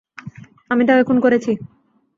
আমি তাকে খুন করছি।